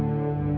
aku mau kemana